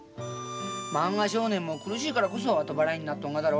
「漫画少年」も苦しいからこそ後払いになっとんがだろ。